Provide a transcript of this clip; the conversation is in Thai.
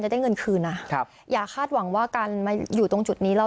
ได้เงินคืนนะครับอย่าคาดหวังว่าการมาอยู่ตรงจุดนี้แล้ว